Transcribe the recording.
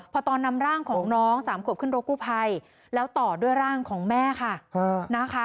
พอตอนนำร่างของน้องสามขวบขึ้นรถกู้ภัยแล้วต่อด้วยร่างของแม่ค่ะนะคะ